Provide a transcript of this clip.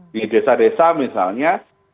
di desa desa misalnya